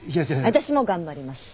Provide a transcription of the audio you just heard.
私も頑張ります。